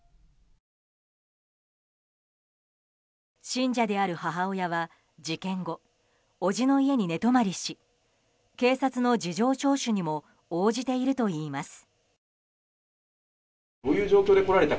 信者である母親は事件後伯父の家に寝泊まりし警察の事情聴取にも応じているといいます。